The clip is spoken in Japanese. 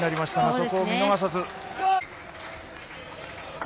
そこを見逃さず。